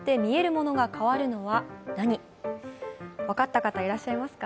分かった方いらっしゃいますか？